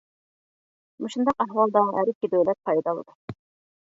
مۇشۇنداق ئەھۋالدا ھەر ئىككى دۆلەت پايدا ئالىدۇ.